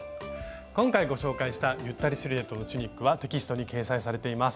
今回ご紹介した「ゆったりシルエットのチュニック」はテキストに掲載されています。